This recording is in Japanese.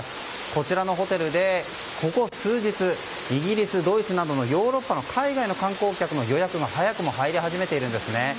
こちらのホテルで、ここ数日イギリス、ドイツなどのヨーロッパの海外の観光客の予約が早くも入り始めているんですね。